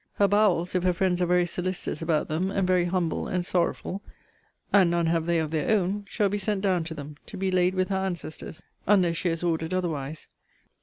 Her bowels, if her friends are very solicitous about them, and very humble and sorrowful, (and none have they of their own,) shall be sent down to them to be laid with her ancestors unless she has ordered otherwise.